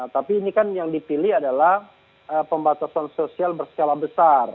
tapi ini kan yang dipilih adalah pembatasan sosial berskala besar